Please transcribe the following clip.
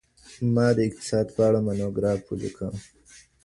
ما د اقتصاد په اړه مونوګراف ولیکه.